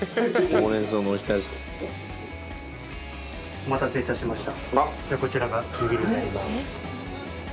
お待たせいたしました。